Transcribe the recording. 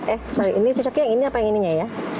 eh sorry ini cocoknya yang ini apa yang ininya ya